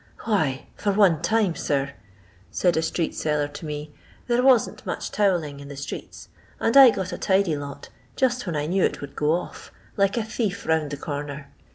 '""Why, for one time, sir,'* said a street seller to me, " there wasn't much towelling in the streets, and I got a tidy lot, just when I knew it would go off, like a thief ruund a corner.